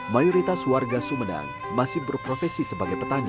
mayoritas warga sumedang masih berprofesi sebagai petani